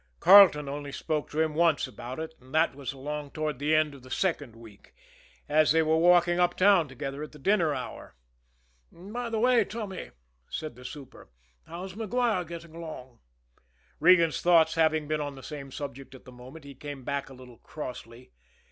Carleton only spoke to him once about it, and that was along toward the end of the second week, as they were walking uptown together at the dinner hour. "By the way, Tommy," said the super, "how's Maguire getting along?" Regan's thoughts having been on the same subject at that moment, he came back a little crossly.